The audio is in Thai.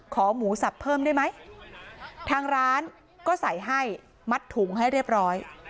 หมูสับเพิ่มได้ไหมทางร้านก็ใส่ให้มัดถุงให้เรียบร้อย